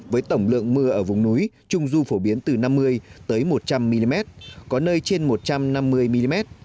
với tổng lượng mưa ở vùng núi trung du phổ biến từ năm mươi một trăm linh mm có nơi trên một trăm năm mươi mm